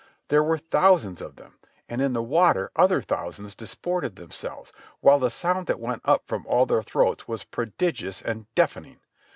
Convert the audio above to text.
There were thousands of them, and in the water other thousands disported themselves, while the sound that went up from all their throats was prodigious and deafening.